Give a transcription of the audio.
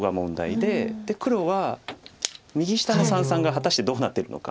で黒は右下の三々が果たしてどうなってるのか。